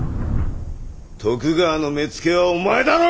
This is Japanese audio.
徳川の目付けはお前だろうが！